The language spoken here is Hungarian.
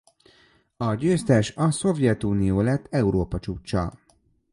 A győztes a Szovjetunió lett Európa-csúccsal.